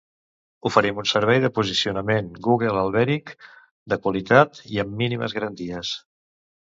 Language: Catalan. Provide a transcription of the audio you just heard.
Oferim un servei de posicionament Google Alberic de qualitat i amb mínimes garanties.